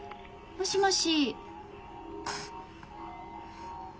もしもし。